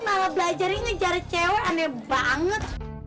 malah belajarnya ngejar cewek banget